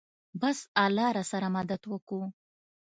بس الله راسره مدد وکو.